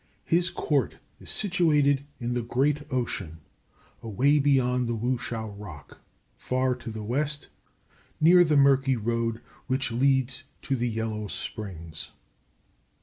His court is situated in the great Ocean, away beyond the Wu chiao rock, far to the west near the murky road which leads to the Yellow Springs.